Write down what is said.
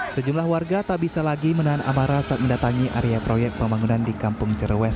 sejumlah warga tak bisa lagi menahan amarah saat mendatangi area proyek pembangunan di kampung cirewes